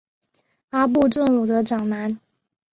阿部正武的长男。